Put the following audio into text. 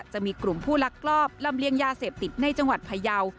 จะมีกลุ่มผู้ลักลอบลำเลียงยาเสพติดในจังหวัดพยาว